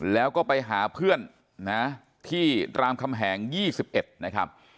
แล้วก็ไปหาเพื่อนนะที่รามคำแหง๒๑นะครับ